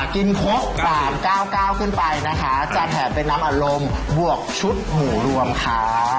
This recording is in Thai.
ครบ๓๙๙ขึ้นไปนะคะจะแถมเป็นน้ำอารมณ์บวกชุดหมูรวมค่ะ